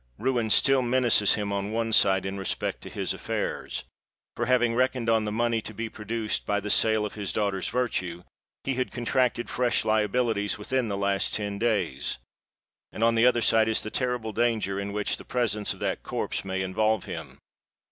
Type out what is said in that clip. Ruin still menaces him on one side in respect to his affairs—for, having reckoned on the money to be produced by the sale of his daughter's virtue, he had contracted fresh liabilities within the last ten days: and on the other side is the terrible danger in which the presence of that corpse may involve him!